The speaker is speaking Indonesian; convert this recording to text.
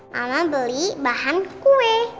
mama beli bahan kue